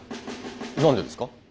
何でですか？